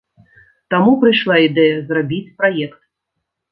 Таму прыйшла ідэя зрабіць праект.